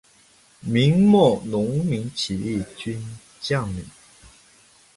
明末农民起义军将领。